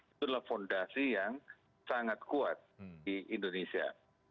itu adalah fondasi yang sangat kuat di indonesia